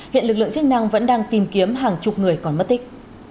hiện lực lượng chức năng vẫn đang tìm kiếm hàng chục người còn mất tích